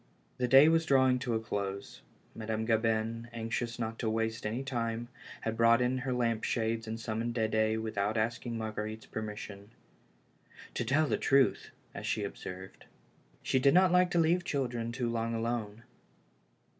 The day was drawing to a close. Madame Gabin, anxious not to waste any time, had brought in her lamp shades and summoned Dede without asking Marguer ite's permission. " To tell the truth," as she observed, "she did not like to leave children too long alone."